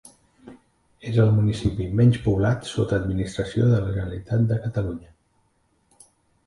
És el municipi menys poblat sota administració de la Generalitat de Catalunya.